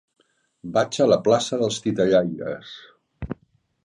Vaig a la plaça dels Titellaires.